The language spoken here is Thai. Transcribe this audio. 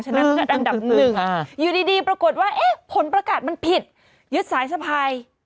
นัดอันดับหนึ่งอยู่ดีปรากฏว่าเอ๊ะผลประกาศมันผิดยึดสายสะพาย